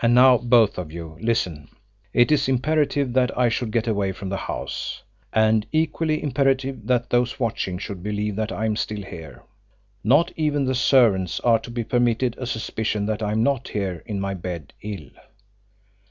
"And now, both of you, listen! It is imperative that I should get away from the house; and equally imperative that those watching should believe that I am still here. Not even the servants are to be permitted a suspicion that I am not here in my bed, ill.